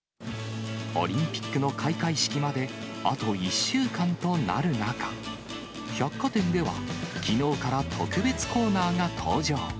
オリンピックの開会式まで、あと１週間となる中、百貨店では、きのうから特別コーナーが登場。